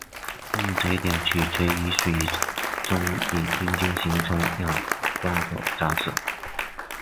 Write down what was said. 冻结点取决于水中与冰晶形成有关的杂质。